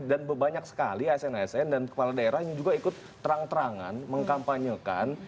dan banyak sekali asn asn dan kepala daerah ini juga ikut terang terangan mengkampanyekan